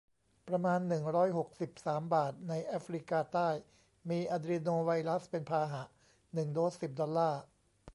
ประมาณ หนึ่งร้อยหกสิบสาม บาท ในแอฟริกาใต้ มีอะดรีโนไวรัสเป็นพาหะ หนึ่ง โดส สิบ ดอลลาร์